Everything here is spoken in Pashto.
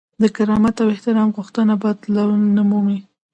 د کرامت او احترام غوښتنه بدلون نه مومي.